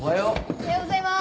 おはようございます。